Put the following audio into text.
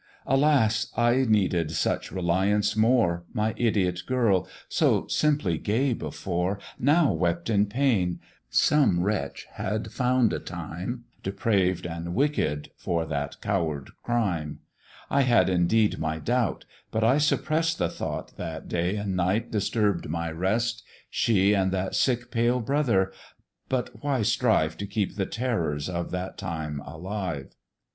"Alas! I needed such reliance more: My idiot girl, so simply gay before, Now wept in pain: some wretch had found a time, Depraved and wicked, for that coward crime; I had indeed my doubt, but I suppress'd The thought that day and night disturb'd my rest; She and that sick pale brother but why strive To keep the terrors of that time alive?